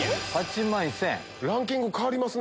ランキング変わりますね